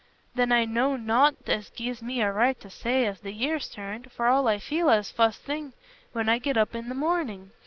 "Then I knowna nought as gi'es me a right to say as the year's turned, for all I feel it fust thing when I get up i' th' morning.